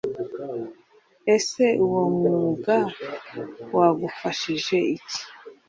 Ese uwo mwuga wagufashije iki